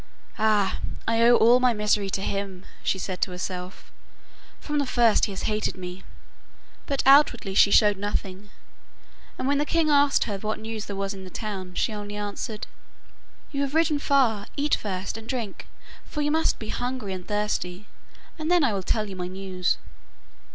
'Ah, I owe all my misery to him,' she said to herself. 'From the first he has hated me,' but outwardly she showed nothing. And when the king asked her what news there was in the town she only answered: 'You have ridden far; eat first, and drink, for you must be hungry and thirsty, and then I will tell you my news.